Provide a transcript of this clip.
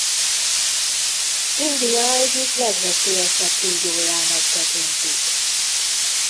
India egyik legveszélyesebb kígyójának tekintik.